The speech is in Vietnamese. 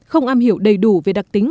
không am hiểu đầy đủ về đặc tính